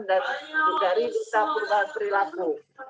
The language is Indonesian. dan juga dari satgas perlaku